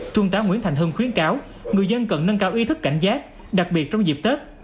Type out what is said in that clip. trung tá nguyễn thành hưng khuyến cáo người dân cần nâng cao ý thức cảnh giác đặc biệt trong dịp tết